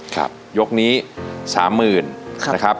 ครับยกนี้๓๐๐๐๐นะครับ